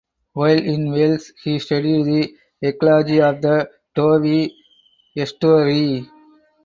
While in Wales he studied the ecology of the Dovey Estuary.